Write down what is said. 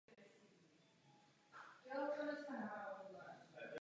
Tady velím já!